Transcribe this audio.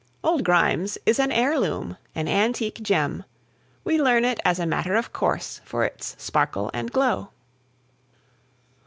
"Old Grimes" is an heirloom, an antique gem. We learn it as a matter of course for its sparkle and glow.